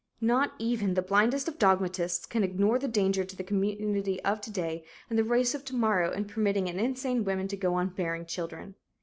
Not even the blindest of all dogmatists can ignore the danger to the community of to day and the race of to morrow in permitting an insane woman to go on bearing children.